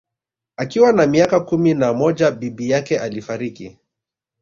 Akiwa na miaka kumi na moja bibi yake alifariki